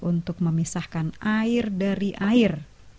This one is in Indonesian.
untuk memisahkan air dari air